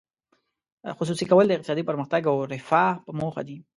خصوصي کول د اقتصادي پرمختګ او رفاه په موخه دي.